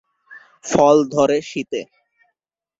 ফল ধরে শীতে।